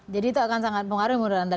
jadi itu akan sangat mengaruhi menurut anda